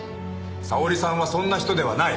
沙織さんはそんな人ではない。